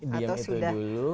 diam itu dulu